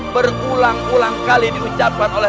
berulang ulang kali di ucapkan oleh